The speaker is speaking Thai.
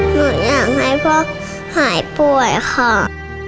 หนูอยากให้พ่อหายป่วยค่ะ